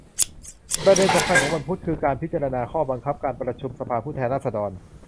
ประเด็นสำคัญของวันพุธ คือ การพิจารณาข้อบังคับการประชุมสภาผู้แทนราษฎร